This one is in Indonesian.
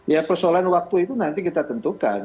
ya persoalan waktu itu nanti kita tentukan